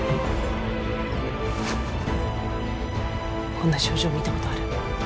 こんな症状見たことある？